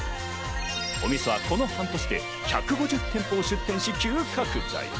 お店はこの半年でおよそ１５０店舗を増やし急拡大。